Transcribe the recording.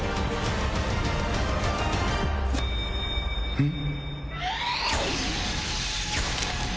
うん？